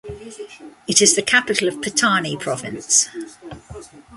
It is the capital of Pattani Province.